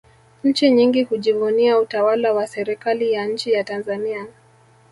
nchi nyingi hujivunia utawala wa serikali ya nchi ya tanzania